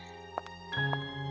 kehidupan saya sedang bernih